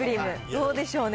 どうでしょうね。